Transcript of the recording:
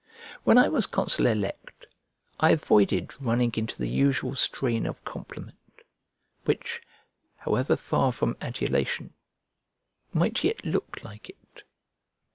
When I was consul elect, I avoided running into the usual strain of compliment, which, however far from adulation, might yet look like it.